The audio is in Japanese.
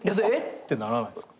ってならないんですか？